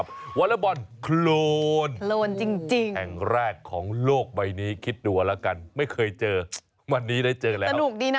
น่าจะบรรยัติเข้าไปในการแข่งขันกีฬา